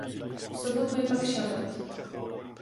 V sobotu je pak šabat.